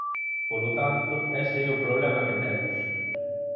Polo tanto, ese é o problema que temos.